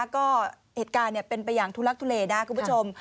ก็เหตุการณ์เป็นไปอย่างทุลักทุเลนะคุณผู้ชม